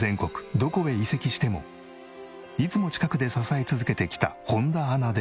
どこへ移籍してもいつも近くで支え続けてきた本田アナでさえ。